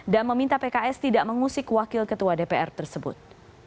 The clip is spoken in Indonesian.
dan meminta pks tidak mengusik wakil ketua dpr tersebut